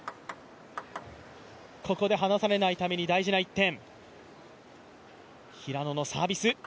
ここで離されないために大事な１点。